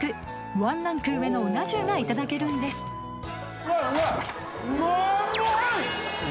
ワンランク上のうな重がいただけるんですうっま！